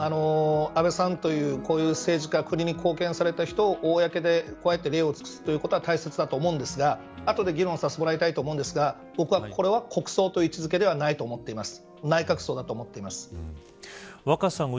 安倍さんという、こういう政治に貢献された人を公でこうやって礼を尽くすということは大変大事だと思うんですがあとで議論させてもらいたいと思うんですが、僕はこれを国葬という位置付けではないと思っています。